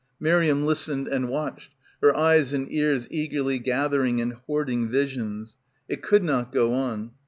Miriam listened and watched, her eyes and ears eagerly gathering and hoarding visions. It could not go on.